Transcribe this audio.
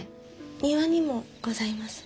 庭にもございます。